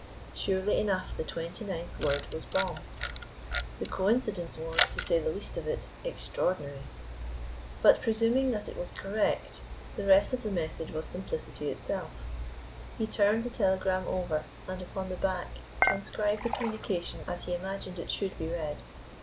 Surely enough the twenty ninth word was Bomb. The coincidence was, to say the least of it, extraordinary. But presuming that it was correct, the rest of the message was simplicity itself. He turned the telegram over, and upon the back transcribed the communication as he imagined it should be read.